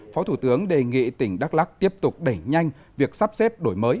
phó thủ tướng đề nghị tỉnh đắk lắc tiếp tục đẩy nhanh việc sắp xếp đổi mới